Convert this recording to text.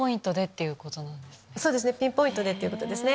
そうですねピンポイントということですね。